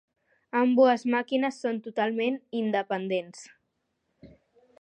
Ambdues màquines són totalment independents.